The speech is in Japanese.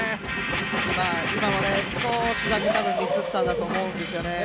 今のも少しだけミスったんだと思うんですよね。